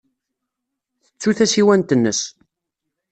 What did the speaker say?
Tettu tasiwant-nnes.